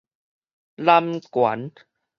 攬權